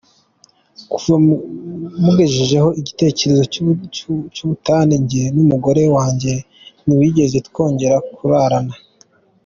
Kuva mugejejeho igitekerezo cy’ubutane, jye n’umugore wanjye ntitwigeze twongera kurarana.